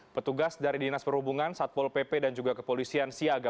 petugas dari dinas perhubungan satpol pp dan juga kepolisian siaga